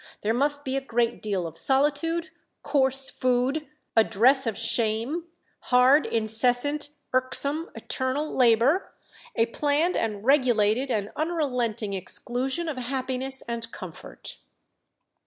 There must be a great deal of solitude, coarse food, a dress of shame, hard, incessant, irksome, eternal labour, a planned and regulated and unrelenting exclusion of happiness and comfort."